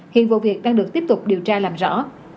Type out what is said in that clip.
hiện vụ việc đang được tiếp tục điều tra làm rõ